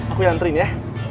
aku yang nganterin ya